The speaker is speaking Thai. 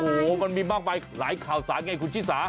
โอ้โหมันมีมากมายหลายข่าวสารไงคุณชิสา